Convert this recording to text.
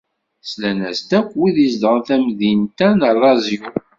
Slan-as-d yakk wid izedɣen tamdint-a n Arezyu.